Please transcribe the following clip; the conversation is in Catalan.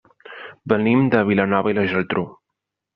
Venim de Vilanova i la Geltrú.